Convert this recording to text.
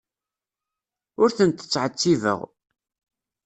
Ur tent-ttɛettibeɣ.